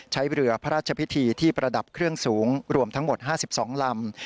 ใช้เรือพระราชพิธีที่ประดับเครื่องสูงรวมทั้งหมด๕๒ลำ